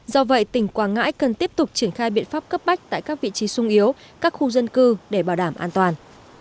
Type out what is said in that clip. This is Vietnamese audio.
do vậy tỉnh quảng ngãi cần tiếp tục triển khai biện pháp cấp bách tại các vị trí sung yếu các khu dân cư để bảo đảm an toàn